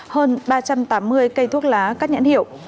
hơn ba trăm tám mươi cây thuốc lá các nhãn hiệu